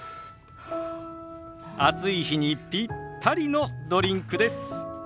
暑い日にピッタリのドリンクです。